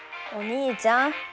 お兄ちゃん。